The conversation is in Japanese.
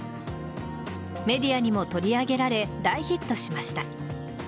メディアにも取り上げられ大ヒットしました。